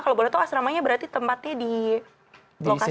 kalau boleh tahu asramanya berarti tempatnya di lokasi